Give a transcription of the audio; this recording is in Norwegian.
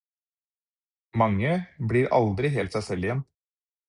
Mange blir aldri helt seg selv igjen.